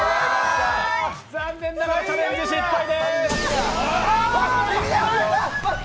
残念ながらチャレンジ失敗です。